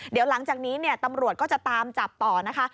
เดี๋ยวหลังจากนี้เนี่ยตำรวจก็จะตามจับต่อนะคะ